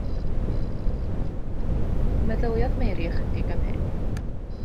Meddyliodd Mary ychydig am hyn.